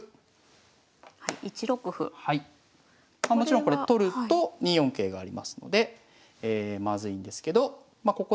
まあもちろんこれ取ると２四桂がありますのでまずいんですけどまあ